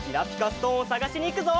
ストーンをさがしにいくぞ！